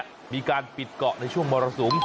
และมีการปิดเกาะในช่วงมรศูนย์